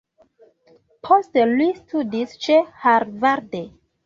Poste li studis ĉe Harvard.